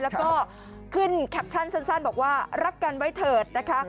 แล้วก็ขึ้นแคปชั่นสั้นบอกว่ารักกันไว้เถิดนะคะ